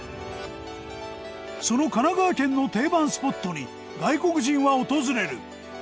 その神奈川県の定番スポットに外国人は訪れる。